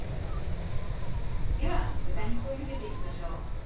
では豚肉をゆでていきましょう。